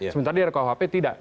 sementara di rkuhp tidak